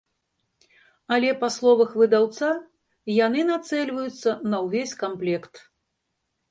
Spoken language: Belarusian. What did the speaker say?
Але па словах выдаўца, яны нацэльваюцца на ўвесь камплект.